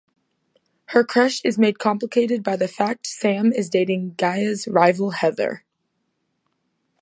Her crush is made complicated by the fact Sam is dating Gaia's rival Heather.